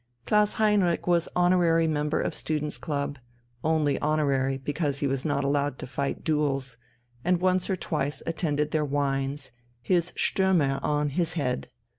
Klaus Heinrich was honorary member of a student's club only honorary, because he was not allowed to fight duels and once or twice attended their wines, his Stürmer on his head.